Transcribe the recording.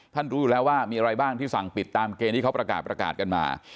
รู้อยู่แล้วว่ามีอะไรบ้างที่สั่งปิดตามเกณฑ์ที่เขาประกาศประกาศกันมา